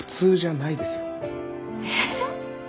えっ？